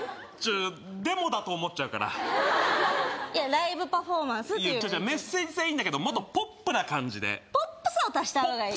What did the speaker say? デモだと思っちゃうからライブパフォーマンスっていうメッセージ性はいいんだけどもっとポップな感じでポップさを足したほうがいい？